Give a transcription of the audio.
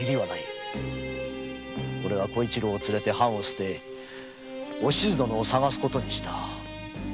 おれは小一郎を連れて藩を捨ておしず殿を捜すことにした。